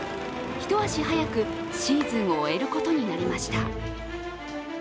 一足早くシーズンを終えることになりました。